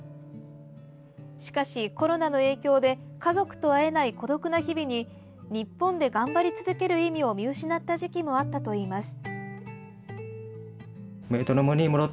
しかし、コロナの影響で家族と会えない孤独な日々に日本で頑張り続ける意味を見失った時期もあったといいます。